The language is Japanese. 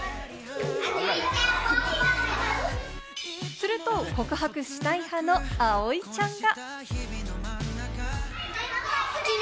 すると、告白したい派のあおいちゃんが。